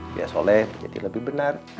biar soleh jadi lebih benar